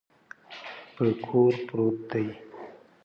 په کور پروت دی.